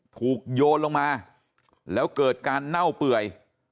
โยนลงมาแล้วเกิดการเน่าเปื่อย